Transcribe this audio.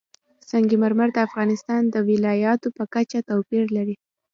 سنگ مرمر د افغانستان د ولایاتو په کچه توپیر لري.